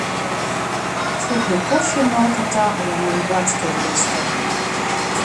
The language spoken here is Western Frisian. Foegje kofjemolke ta oan myn boadskiplistke.